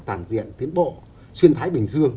hiệp định tiến bộ xuyên thái bình dương